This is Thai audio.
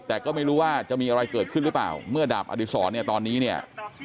แต่ก็ไม่รู้ว่าจะมีอะไรเกิดขึ้นหรือเปล่าเมื่อดาบอดีศรเนี่ยตอนนี้เนี่ย